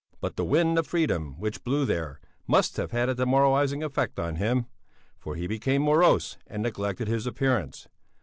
But the wind of freedom which blew there must have had a demoralizing effect on him, for he became morose and neglected his appearance.